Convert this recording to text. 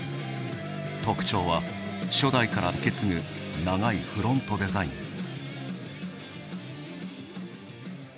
特徴は初代から受け継ぐ長いフロントデザイン。